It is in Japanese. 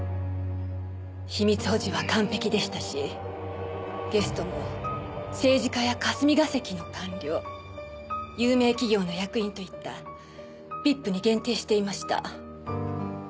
秘密保持は完璧でしたしゲストも政治家や霞が関の官僚有名企業の役員といったＶＩＰに限定していました。